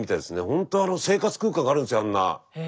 ほんとあの生活空間があるんですよあんな。